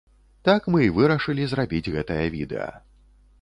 Так мы і вырашылі зрабіць гэтае відэа.